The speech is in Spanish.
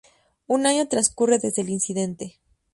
Un año transcurre desde el incidente.